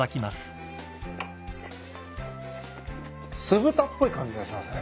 酢豚っぽい感じがしますね。